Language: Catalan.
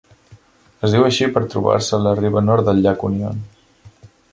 Es diu així per trobar-se a la riba nord del llac Union.